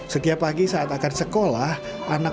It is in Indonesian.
setiap pagi saat akan sekolah anak penyandang disabilitas